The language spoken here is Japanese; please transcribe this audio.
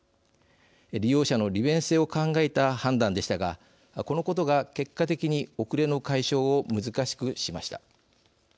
利用者の利便性を考えた判断でしたがこのことが、結果的に遅れの解消を難しくしました。